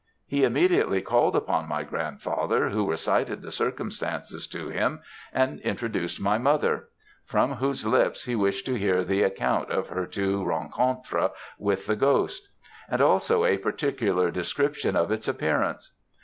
He immediately called upon my grandfather, who recited the circumstances to him, and introduced my mother; from whose lips he wished to hear the account of her two rencontres with the ghost; and also, a particular description of its appearance.